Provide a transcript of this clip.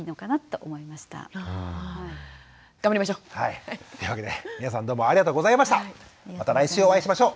というわけで皆さんどうもありがとうございました。